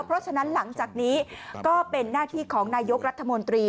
เพราะฉะนั้นหลังจากนี้ก็เป็นหน้าที่ของนายกรัฐมนตรี